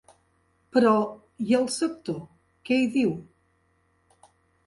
Però, i el sector què hi diu?